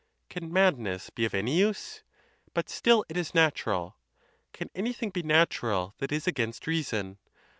Can madness be of any use? But still it is natural. Can anything be natural that is against reason